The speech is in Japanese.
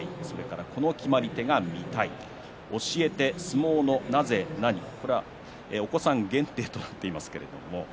この決まり手が見たい教えて相撲のなぜなにこれは、お子さん限定となっています。